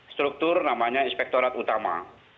struktur namanya inspektorat utama